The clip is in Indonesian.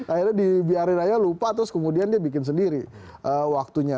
akhirnya dibiarin raya lupa terus kemudian dia bikin sendiri waktunya